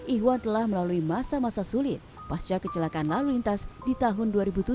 ihwan telah melalui masa masa sulit pasca kecelakaan lalu lintas di tahun dua ribu tujuh